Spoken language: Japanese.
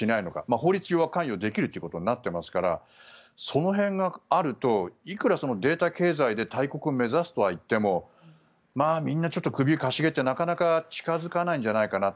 法律上は関与できることになっていますからその辺があるといくらそのデータ経済で大国を目指すとはいってもまあ、みんな首を傾げてなかなか近付かないんじゃないかなと。